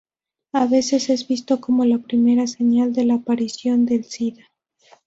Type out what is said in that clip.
A veces es visto como la primera señal de la aparición del sida.